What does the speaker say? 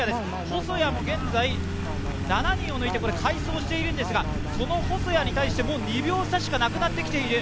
細谷も現在、７人を抜いて快走しているんですがその細谷に対して、もう２秒差しかなくなってきている